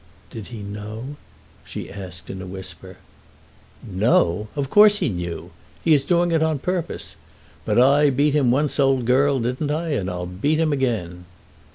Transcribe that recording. "Did he know?" she asked in a whisper. "Know; of course he knew. He is doing it on purpose. But I beat him once, old girl, didn't I? And I'll beat him again."